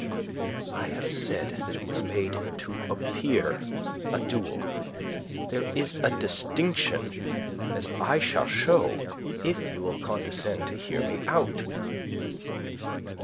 "I have said that it was made to appear a duel. There is a distinction, as I shall show, if you will condescend to hear me out."